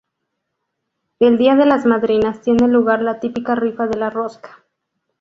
El día de las madrinas tiene lugar la típica rifa de la rosca.